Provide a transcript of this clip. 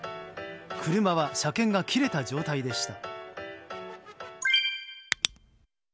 車は車検が切れた状態でした。